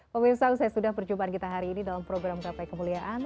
pemirsa usai sudah perjumpaan kita hari ini dalam program gapai kemuliaan